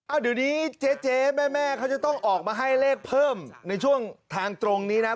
เดี๋ยวนี้เจ๊แม่เขาจะต้องออกมาให้เลขเพิ่มในช่วงทางตรงนี้นะ